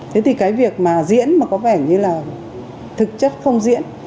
thế thì cái việc mà diễn mà có vẻ như là thực chất không diễn